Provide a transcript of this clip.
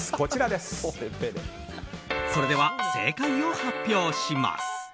それでは、正解を発表します。